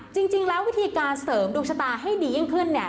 จริงแล้ววิธีการเสริมดวงชะตาให้ดียิ่งขึ้นเนี่ย